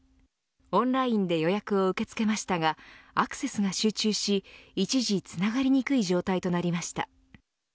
オンラインで予約を受け付けましたがアクセスが集中し一時つながりにくい状態となりました。